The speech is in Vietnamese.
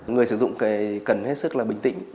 người sử dụng cần hết sức là bình tĩnh